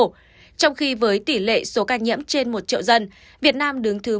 trong khi với tỷ lệ số ca nhiễm trên một triệu dân việt nam đứng thứ một trăm bốn mươi ba trên hai mươi tám